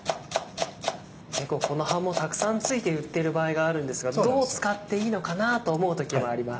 結構この葉もたくさん付いて売ってる場合があるんですがどう使っていいのかなと思う時もあります。